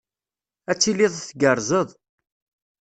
Ad tiliḍ tgerrzeḍ.